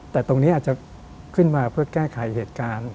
แต่ตรงนี้อาจจะขึ้นมาเพื่อแก้ไขเหตุการณ์